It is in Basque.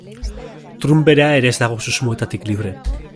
Trump bera ere ez dago susmoetatik libre.